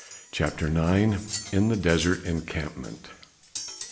CHAPTER IX. IN THE DESERT ENCAMPMENT.